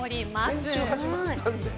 先週始まったんだよね。